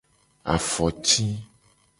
Afoti.